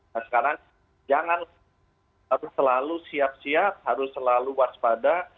nah sekarang jangan harus selalu siap siap harus selalu waspada